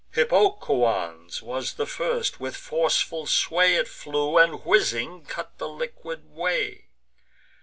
Hippocoon's was the first: with forceful sway It flew, and, whizzing, cut the liquid way.